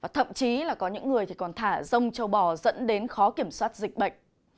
thậm chí là có những người còn thả rông châu bò dẫn đến khó kiểm soát dịch bệnh